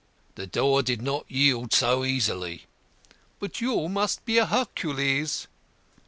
"The door did not yield so easily." "But you must be a Hercules."